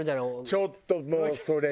ちょっともうそれ。